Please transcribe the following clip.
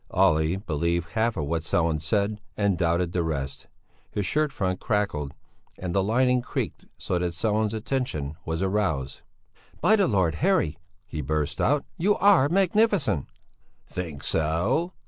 Olle believed half of what Sellén said and doubted the rest; his shirt front crackled and the lining creaked so that Sellén's attention was aroused. "By the Lord Harry!" he burst out, "you are magnificent!" "Think so?